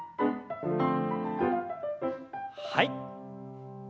はい。